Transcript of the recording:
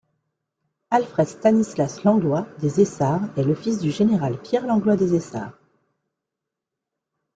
Alfred Stanislas Langlois des Essarts est le fils du général Pierre Langlois des Essarts.